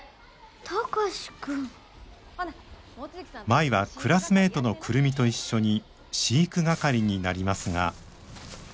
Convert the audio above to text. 舞はクラスメートの久留美と一緒に飼育係になりますが。